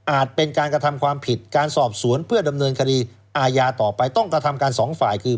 เป็นการกระทำความผิดการสอบสวนเพื่อดำเนินคดีอาญาต่อไปต้องกระทำการสองฝ่ายคือ